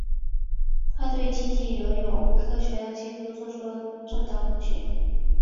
他对竞技游泳科学技术做出了重大贡献。